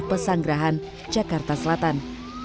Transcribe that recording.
pesanggerahan jakarta selatan